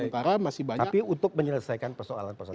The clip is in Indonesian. tapi untuk menyelesaikan persoalan persoalan